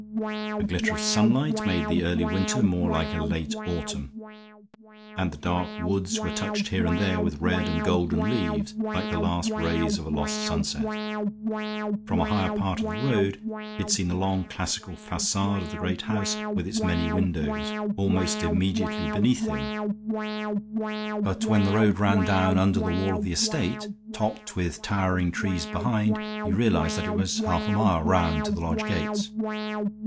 A glitter of sunlight made the early winter more like a late autumn, and the dark woods were touched here and there with red and golden leaves, like the last rays of a lost sunset. From a higher part of the road he had seen the long, classical facade of the great house with its many windows, almost immediately beneath him, but when the road ran down under the wall of the estate, topped with towering trees behind, he realized that it was half a mile round to the lodge gates.